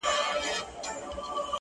قاضي صاحبه ملامت نه یم- بچي وږي وه-